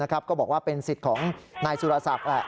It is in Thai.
ก็บอกว่าเป็นสิทธิ์ของนายสุรษัก